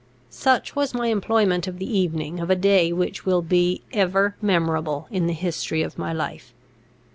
Such was my employment of the evening of a day which will be ever memorable in the history of my life.